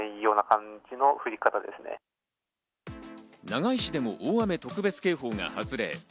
長井市でも大雨特別警報が発令。